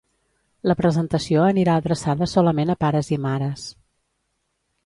La presentació anirà adreçada solament a pares i mares.